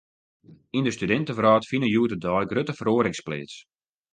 Yn de studintewrâld fine hjoed-de-dei grutte feroarings pleats.